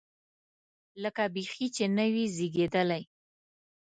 لکه بیخي چې نه وي زېږېدلی.